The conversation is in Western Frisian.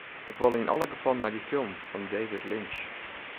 Ik wol yn alle gefallen nei dy film fan David Lynch.